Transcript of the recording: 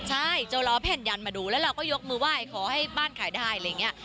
ใช่จะรอแผ่นยันมาดูแล้วเราก็ยกมือไหว้ขอให้บ้านขายได้อะไรอย่างนี้